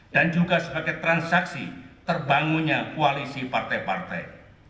dan juga sebagai transaksi terbangunnya koalisi partai partai